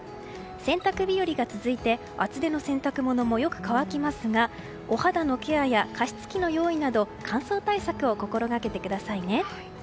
洗濯日和が続いて厚手の洗濯物もよく乾きますが、お肌のケアや加湿器の用意など乾燥対策を心掛けてくださいね。